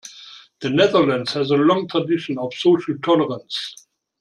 The Netherlands has a long tradition of social tolerance.